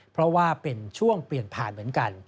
เพราะว่าเป็นช่วงเปลี่ยนผ่านเหมือนกัน